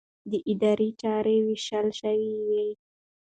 د ادارې چارې يې وېشلې وې.